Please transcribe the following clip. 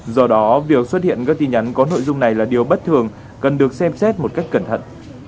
do đó việc xuất hiện các tin nhắn có nội dung này là điều bất thường cần được xem xét một cách cẩn thận